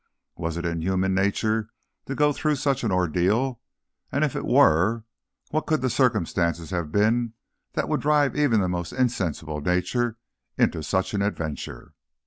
Was it in human nature to go through such an ordeal, and if it were, what could the circumstances have been that would drive even the most insensible nature into such an adventure!